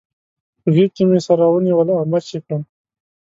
په غېږ کې مې سره ونیول او مچ يې کړم.